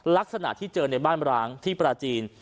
ลักษณะที่เจอในบ้านร้างที่ปราจีน